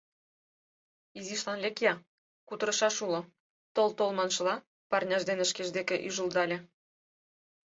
— Изишлан лек-я, кутырышаш уло! — тол-тол маншыла, парняж дене шкеж деке ӱжылдале.